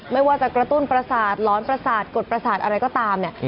ไม่ว่าจะกระตุ้นประสาทหลอนประสาทกดประสาทอะไรก็ตามเนี่ย